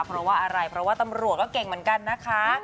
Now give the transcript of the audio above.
เพราะว่าอะไรเพราะว่าตำรวจก็เก่งเหมือนกันนะคะ